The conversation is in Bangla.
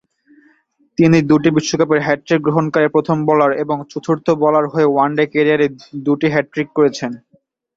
তিনি দুটি বিশ্বকাপের হ্যাটট্রিক গ্রহণকারী প্রথম বোলার এবং চতুর্থ বোলার হয়ে ওয়ানডে কেরিয়ারের দুটি হ্যাটট্রিক করেছেন।